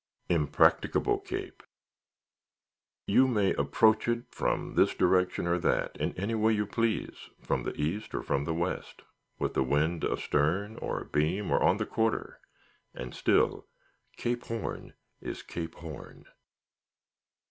Impracticable Cape! You may approach it from this direction or that—in any way you please, from the east or from the west; with the wind astern, or abeam, or on the quarter; and still Cape Horn is Cape Horn.